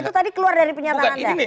itu tadi keluar dari pernyataannya